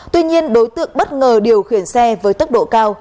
tuy nhiên đối tượng bất ngờ điều khiển xe với tốc độ cao